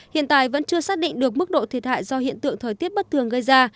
hiện tại vẫn chưa xác định được mức độ thiệt hại do hiện tượng thời tiết bất thường gây ra